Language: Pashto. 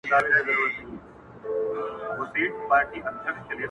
او يوازې پاتې کيږي هره ورځ,